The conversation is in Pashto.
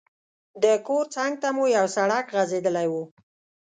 د کور څنګ ته مو یو سړک غځېدلی وو.